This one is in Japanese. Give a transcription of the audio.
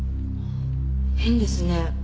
変ですね。